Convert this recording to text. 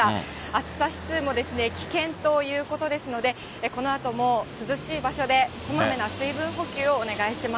暑さ指数も危険ということですので、このあとも涼しい場所でこまめな水分補給をお願いします。